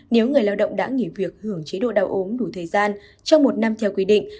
nếu người lao động đã nghỉ việc hưởng chế độ đau ốm đủ thời gian trong một năm theo quy định